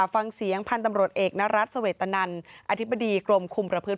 ฟังเสียงพันธ์ตำรวจเอกนรัฐเสวตนันอธิบดีกรมคุมประพฤติ